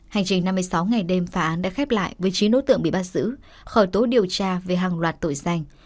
hành trình năm mươi sáu ngày đêm phá án đã khép lại với chín đối tượng bị bắt giữ khởi tố điều tra về hàng loạt tội danh